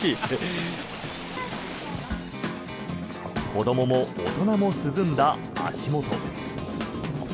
子どもも大人も涼んだ足元。